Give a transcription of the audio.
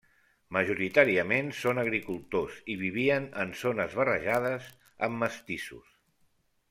Majoritàriament són agricultors i vivien en zones barrejades amb mestissos.